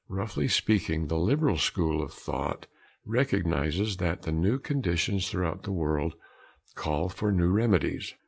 Roughly speaking, the liberal school of thought recognizes that the new conditions throughout the world call for new remedies.